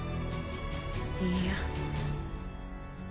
いいや。